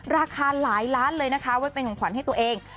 ราคาหลายล้านเลยนะคะไว้เป็นของขวัญให้ตัวเอง